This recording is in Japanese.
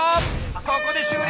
ここで終了！